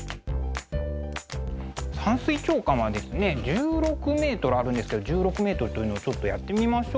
１６ｍあるんですけど１６ｍというのをちょっとやってみましょう。